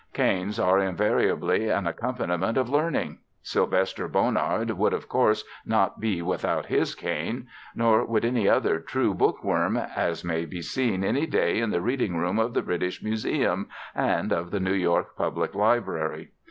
Canes are invariably an accompaniment of learning. Sylvester Bonnard would of course not be without his cane; nor would any other true book worm, as may be seen any day in the reading room of the British Museum and of the New York Public Library.